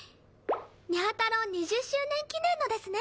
にゃ太郎２０周年記念のですね！